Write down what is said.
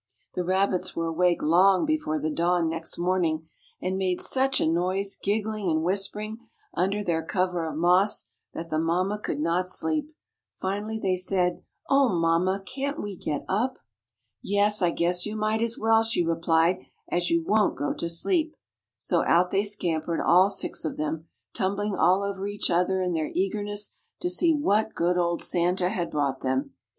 The rabbits were awake long before the dawn next morning, and made such a noise, giggling and whispering, under their cover of moss, that the mamma could not sleep. Finally they said: "O, mamma, can't we get up?" "Yes, I guess you might as well," she replied, "as you won't go to sleep." So out they scampered, all six of them, tumbling all over each other in their eagerness to see what good old Santa had brought them.